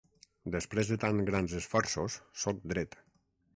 Després de tan grans esforços sóc dret.